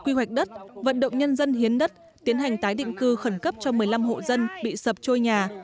quy hoạch đất vận động nhân dân hiến đất tiến hành tái định cư khẩn cấp cho một mươi năm hộ dân bị sập trôi nhà